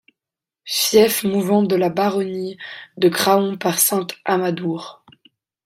Fief mouvant de la baronnie de Craon par Saint Amadour.